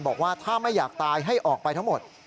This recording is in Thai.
บอกว่าถ้าไม่อยากตายให้ออกไปทั้งหมด